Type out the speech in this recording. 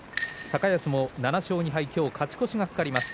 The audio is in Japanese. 高安も７勝２敗、勝ち越しが懸かります。